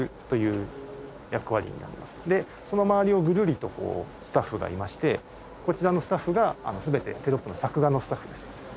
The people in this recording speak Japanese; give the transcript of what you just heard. でその周りをぐるりとこうスタッフがいましてこちらのスタッフが全てテロップの作画のスタッフです。